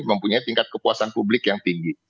mempunyai tingkat kepuasan publik yang tinggi